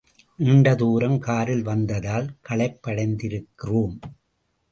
நீண்ட தூரம் காரில் வந்ததால் களைப்படைந்திருக்கிறோம்.